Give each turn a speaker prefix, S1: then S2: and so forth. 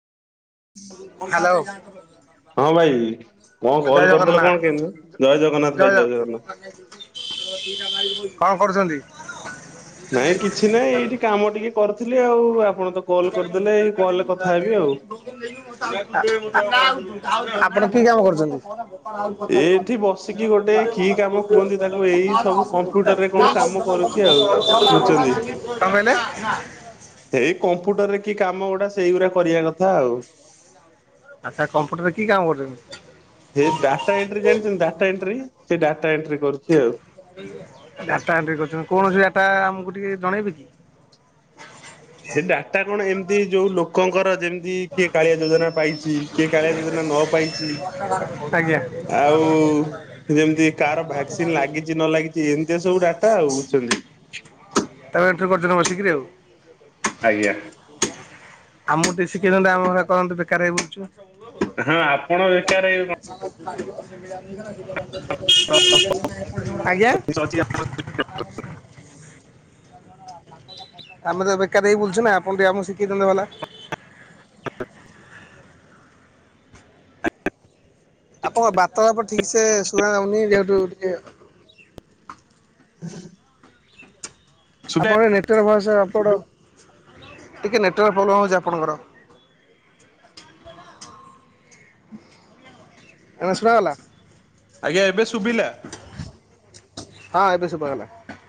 S1: Hello
S2: ହଁ ଭାଇ କଣ
S1: ଜୟ
S2: କଲ୍ କରିଦେଲ
S1: ଜଗନ୍ନାଥ
S2: କଣ କେମିତି ଜୟ ଜଗନ୍ନାଥ ଭାଇ ଜୟ ଜଗନ୍ନାଥ।
S1: କଣ କରୁଛନ୍ତି?
S2: ନାଇଁ କିଛି ନାଇଁ ଏଇଠି କାମ ଟିକେ କରୁଥିଲି ଆଉ ଆପଣ ତ କଲ୍ କରିଦେଲେ ଏଇ କଲରେ କଥା ହେବି ଆଉ
S1: ଆପଣ କି
S2: ଏଇଠି
S1: କାମ
S2: ବସିକି ଗୋଟେ କି କାମ କୁହନ୍ତି
S1: କରୁଛନ୍ତି?
S2: ତାକୁ ଏଇ ସବୁ କମ୍ପ୍ୟୁଟରରେ କଣ
S1: [unintelligible]
S2: କାମ କରୁଛି ଆଉ।
S1: କଣ
S2: ବୁଝୁଛନ୍ତି
S1: କହିଲେ?
S2: ଏଇ କମ୍ପ୍ୟୁଟର ରେ କି କାମ ଓଡା ସେଇଗୁରା କରିବା କଥା ଆଉ।
S1: ଆଚ୍ଛା କମ୍ପ୍ୟୁଟର ରେ କି କାମ କରୁଛନ୍ତି?
S2: ଯେ ଡାଟା ଏଣ୍ଟ୍ରି ଜାଣିଛନ୍ତି ଡାଟା ଏଣ୍ଟ୍ରି ସେଇ ଡାଟା ଏଣ୍ଟ୍ରି କରୁଛି ଆଉ।
S1: ଡାଟା ଏଣ୍ଟ୍ରି କରୁଛନ୍ତି। କୋଣ ସେ ଡାଟା ଆମକୁ ଟିକେ ଜଣେଇବି କି?
S2: ଏ ଡାଟା କଣ ଏମିତି ଯୋଉ ଲୋକଙ୍କର ଯେମିତି କିଏ କାଳିଆ ଯୋଜନା ପାଇଛି। କିଏ କାଳିଆ ଯୋଜନା ନ ପାଇ ଛି
S1: ଆଜ୍ଞା
S2: ଆଉ ଯେମିତି କାର ଭାକ୍ସିନ ଲାଗି ଛି ନ ଲାଗିଛି। ଏମିତିଆ ସବୁ ଡାଟା ଆଉ ବୁଝୁଛନ୍ତି।
S1: ତା [unintelligible] ଏଣ୍ଟ୍ରି କରୁଛ ତମେ ବସିକିରି ଆଉ
S2: ଆଜ୍ଞା
S1: ଆମକୁ ଟିକେ ଶିଖେଇ ଦିଅନ୍ତୁ ଆମେ ଏଗୁଡା କରନ୍ତୁ ବେକାରିଆ ହେଇ ବୁଲୁଚୁ।
S2: ହଁ ଆପଣ ବେକାର ହେବେ କଣ
S1: [unintelligible] ଆଜ୍ଞା ଆମେ ତ ବେକାର ହେଇକି ବୁଲଛୁ ନା ଆପଣ ଟିକେ ଆମକୁ ଶିଖିେଇଦିଅନ୍ତେ ଭଲା ଆପଣଙ୍କ ବାର୍ତାଳାପ ଠିକ ସେ ଶୁଣା ଯାଉନି ନେଟ୍ କୁ ଟିକେ
S2: ହ [unintelligible]
S1: ଆପଣଙ୍କ ଟିକେ ନେଟୱାର୍କ ଭଲସେ ଆପଣ ଟିକେ ନେଟୱର୍କ ପ୍ରୋବ୍ଲେମ ହଉଛି ଆପଣଙ୍କର? ଏବେ ଶୁଣାଗଲା।
S2: ଆଜ୍ଞା ଏବେ ଶୁବିଲା?
S1: ହଁ ଏବେ ଶୁବା ଗଲା।